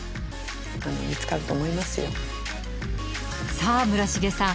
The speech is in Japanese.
さあ村重さん